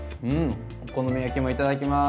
お好み焼きもいただきます！